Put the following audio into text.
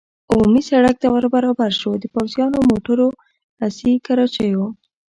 عمومي سړک ته ور برابر شو، د پوځیانو، موټرو، اسي کراچیو.